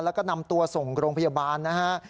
แล้วก็นำตัวส่งโรงพยาบาลนะฮะ